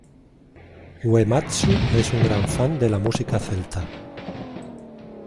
Uematsu es un gran fan de la música celta.